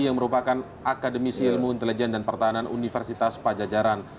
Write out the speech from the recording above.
yang merupakan akademisi ilmu intelijen dan pertahanan universitas pajajaran